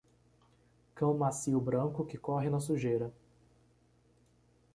Cão macio branco que corre na sujeira.